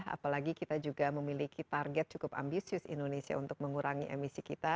apalagi kita juga memiliki target cukup ambisius indonesia untuk mengurangi emisi kita